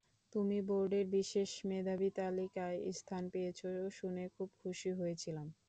তুমি বোর্ডের বিশেষ মেধাবী তালিকায় স্থান পেয়েছ শুনে খুব খুশি হয়েছিলাম।